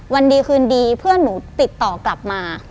วันดีคืนดีเพื่อนหนูติดต่อกลับมา